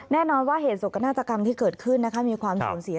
แน่นอนว่าเหตุสกนาฏกรรมที่เกิดขึ้นนะคะมีความสูญเสีย